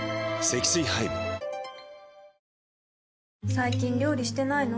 最近料理してないの？